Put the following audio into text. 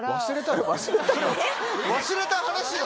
忘れたの？